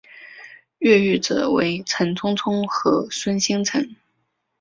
越狱者为陈聪聪和孙星辰。